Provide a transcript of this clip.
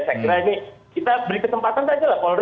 saya kira ini kita beri kesempatan saja lah polri